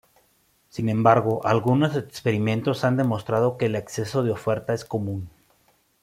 Sin embargo, algunos experimentos han demostrado que el exceso de oferta es común.